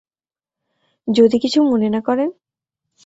যদি কিছু মনে না করেন?